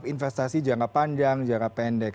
investasi jangka panjang jangka pendek